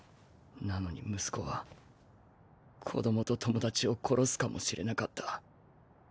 なのに息子は子供と友達を殺すかもしれなかった。